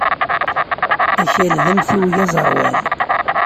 Akal d amtiweg aẓerwal.